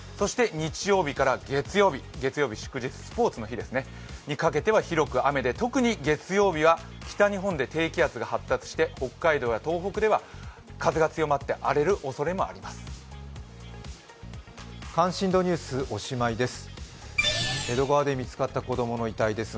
そして日曜日から月曜日、月曜日は祝日スポーツの日ですね、にかけては広く雨で、特に月曜日は北日本で低気圧が発達して北海道や東北では風が強まって荒れるおそれもあります。